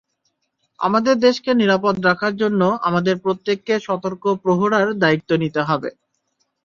আমাদের দেশকে নিরাপদ রাখার জন্য আমাদের প্রত্যেককে সতর্ক প্রহরার দায়িত্ব নিতে হবে।